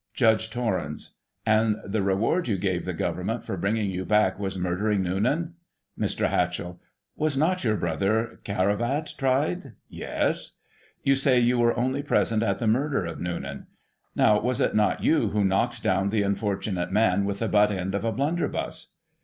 Judge Torrens : And the reward you gave the Government for bringing you back was murdering Noonan. Mr. Hatchell : Was not your brother Caravat tried .?— ^Yes. You say you were only present at the murder of Noonan ; now, was it not you who knocked down the unfortunate man Digiti ized by Google i84i] AN IRISH INFORMER 167 with the butt end of a blunderbuss?